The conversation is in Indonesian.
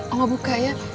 oh gak buka ya